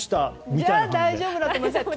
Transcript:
じゃあ大丈夫だと思います。